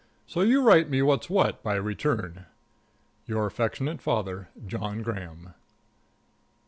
So you write me what's what by return. Your affectionate father, JOHN GRAHAM.